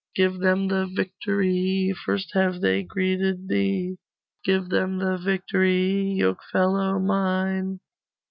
Give them the victory, First have they greeted thee; Give them the victory, Yokefellow mine!